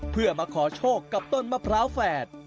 เพื่อมาขอโชคกับต้นมะพร้าวแฝด